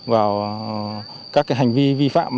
vào các hành vi vi phạm